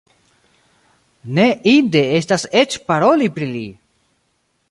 Ne inde estas eĉ paroli pri li!